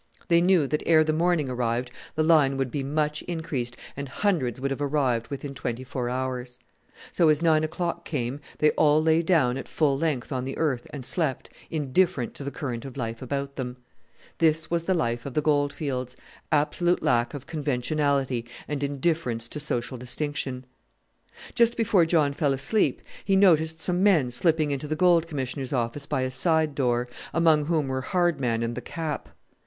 They knew that ere the morning arrived the line would be much increased and hundreds would have arrived within twenty four hours. So, as nine o'clock came, they all lay down at full length on the earth and slept, indifferent to the current of life about them. This was the life of the goldfields absolute lack of conventionality and indifference to social distinction. Just before John fell asleep he noticed some men slipping into the Gold Commissioner's office by a side door, among whom were Hardman and the "Cap."